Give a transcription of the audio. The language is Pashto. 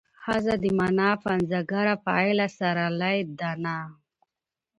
ښځه د مانا پنځګره فاعله سرلې ده نه